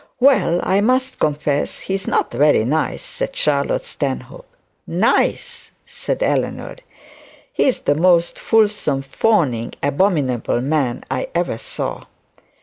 'Well, I must confess he's not very nice,' said Charlotte Stanhope. 'Nice!' said Eleanor. 'He is the most fulsome, fawning, abominable man I ever saw.